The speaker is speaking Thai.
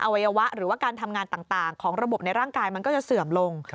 วัยวะหรือว่าการทำงานต่างของระบบในร่างกายมันก็จะเสื่อมลง